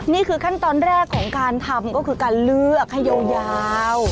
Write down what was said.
นี่คือขั้นตอนแรกของการทำก็คือการเลือกให้ยาว